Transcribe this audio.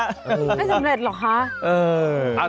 ไม่สำเร็จเหรอคะ